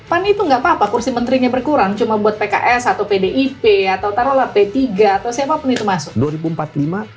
pan itu nggak apa apa kursi menterinya berkurang cuma buat pks atau pdip atau taruhlah p tiga atau siapapun itu masuk